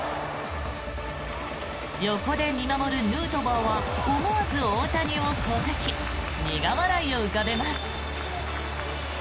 横で見守るヌートバーは思わず大谷を小突き苦笑いを浮かべます。